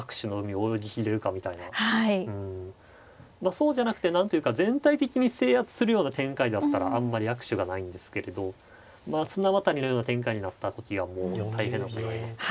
そうじゃなくて何というか全体的に制圧するような展開だったらあんまり悪手がないんですけれど綱渡りのような展開になった時がもう大変なことになりますね。